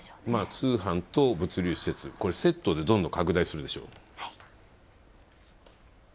通販と物流施設、セットでどんどん拡大するでしょう。